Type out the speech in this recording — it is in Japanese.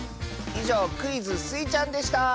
いじょうクイズ「スイちゃん」でした！